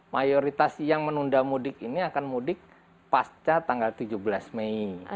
mayoritas yang menunda mudik ini akan mudik pasca tanggal tujuh belas mei